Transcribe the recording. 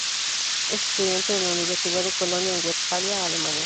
Es estudiante en la Universidad de Colonia en Westfalia, Alemania.